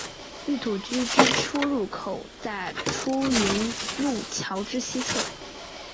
御土居之出入口在出云路桥之西侧。